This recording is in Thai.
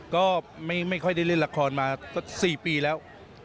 ก็ไม่ค่อยได้เล่นละครมา๔ปีแล้ว